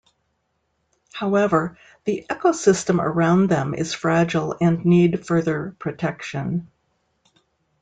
However, the ecosystem around them is fragile and need further protection.